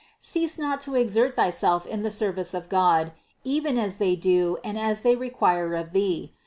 Cease not to exert thyself in the service of God, even as they do and as they require of thee.